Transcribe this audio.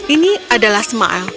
ini adalah smile